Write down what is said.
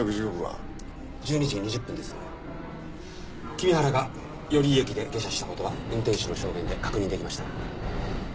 君原が寄居駅で下車した事は運転士の証言で確認できました。